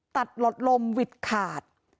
ตัดลดลมวิดขาด